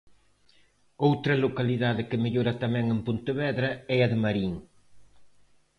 Outra localidade que mellora tamén en Pontevedra, é a de Marín.